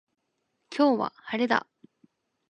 今日は、晴れだ。